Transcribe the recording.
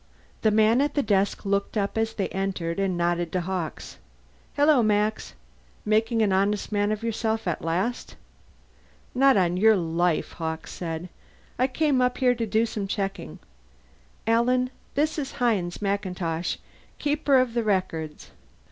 The man at the desk looked up as they entered and nodded to Hawkes. "Hello, Max. Making an honest man of yourself at last?" "Not on your life," Hawkes said. "I came up here to do some checking. Alan, this is Hines MacIntosh, Keeper of the Records.